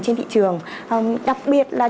trên thị trường đặc biệt là